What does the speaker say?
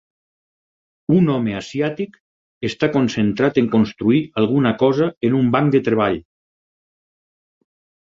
Un home asiàtic està concentrat en construir alguna cosa en un banc de treball.